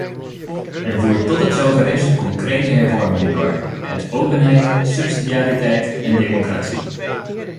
En voer tot het zover is concrete hervormingen door, met openheid, subsidiariteit en democratie.